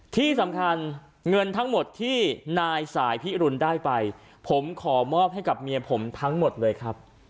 ที่สำคัญเงินทั้งหมดที่นายสายพิรุณได้ไปผมขอมอบให้กับเมียผมทั้งหมดเลยครับ